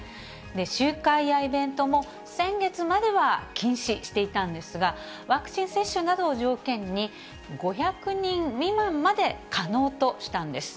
集会やイベントも、先月までは禁止していたんですが、ワクチン接種などを条件に、５００人未満まで可能としたんです。